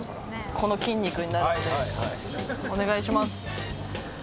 この筋肉になるのでお願いします。